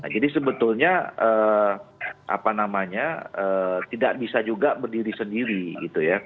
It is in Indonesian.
jadi sebetulnya tidak bisa juga berdiri sendiri gitu ya